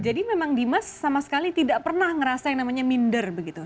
jadi memang dimas sama sekali tidak pernah merasa yang namanya minder begitu